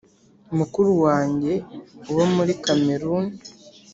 Mukuru wanjye uba muri Kameruni